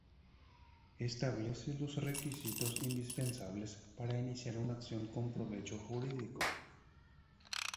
Establece los requisitos indispensables para iniciar una acción con provecho jurídico.